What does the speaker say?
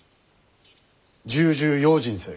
重々用心せよ。